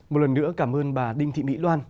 một lần nữa cảm ơn bà đinh thị mỹ loan